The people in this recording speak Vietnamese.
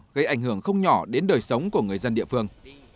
gây ảnh hưởng không nhỏ đến đời sống của người dân địa phương